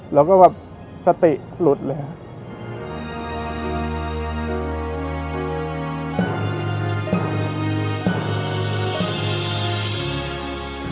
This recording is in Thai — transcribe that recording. แล้วก็สติหลุดเลยฮะ